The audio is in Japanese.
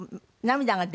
涙が？